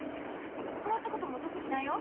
変わったことも特にないよ。